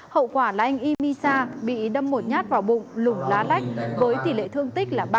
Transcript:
hậu quả là anh imisa bị đâm một nhát vào bụng lủng lá lách với tỷ lệ thương tích là ba mươi